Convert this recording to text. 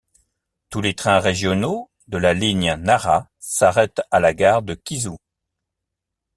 Tous les trains régionaux de la ligne Nara s'arrêtent à la gare de Kizu.